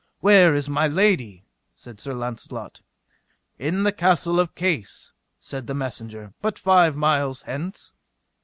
Where is my lady? said Sir Launcelot. In the Castle of Case, said the messenger, but five mile hence.